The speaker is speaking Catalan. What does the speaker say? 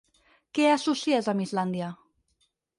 Què associes amb Islàndia?